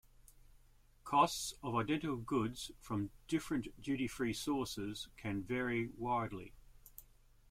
Costs of identical goods from different duty-free sources can vary widely.